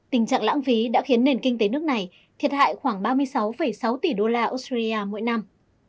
tình trạng lãng phí đã khiến nền kinh tế nước này thiệt hại khoảng ba mươi sáu sáu tỷ đô la australia mỗi năm